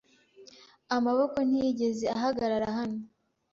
Amaboko ntiyigeze ahagarara hano